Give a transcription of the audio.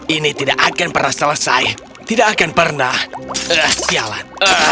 ini tidak akan pernah selesai tidak akan pernah sialan